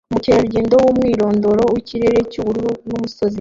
Umukerarugendo 'umwirondoro wikirere cyubururu nubusozi